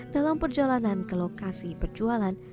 dalam perjalanan ke lokasi perjualan